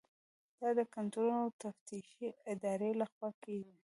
دا د کنټرول او تفتیش ادارې لخوا کیږي.